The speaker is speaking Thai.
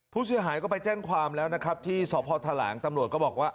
ผู้เสียหายก็ไปแจ้งความแล้วนะครับที่สพทหลางตำรวจก็บอกว่า